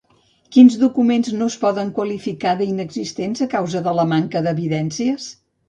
Quins documents no es poden qualificar d'inexistents a causa de la manca d'evidències?